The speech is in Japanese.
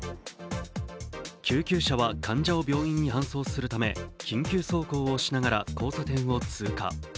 救急車は患者を病院に搬送するため緊急走行をしながら交差点を通過。